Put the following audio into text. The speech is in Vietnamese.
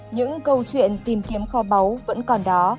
những câu chuyện tìm kiếm kho báu vẫn còn đó